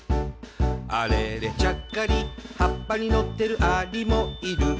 「あれれちゃっかり葉っぱにのってるアリもいる」